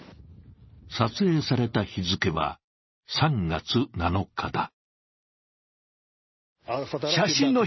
撮影された日付は３月７日だ。